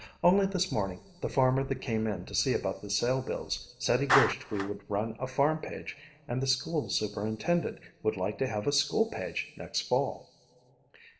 Only this morning the farmer that came in to see about the sale bills said he wished we would run a farm page and the school superintendent would like to have a school page next fall."